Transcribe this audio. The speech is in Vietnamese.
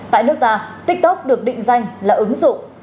tại nước ta tiktok được định danh là ứng dụng